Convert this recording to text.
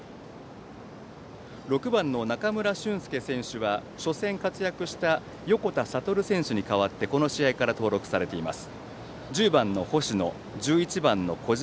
６番の中村駿介選手は初戦活躍した横田悟選手に代わってこの試合から登録されています。